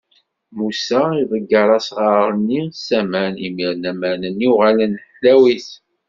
Musa iḍegger asɣar-nni s aman, imiren aman-nni uɣalen ḥlawit.